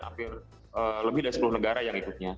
hampir lebih dari sepuluh negara yang ikutnya